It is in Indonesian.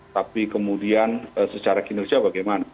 tapi kemudian secara kinerja bagaimana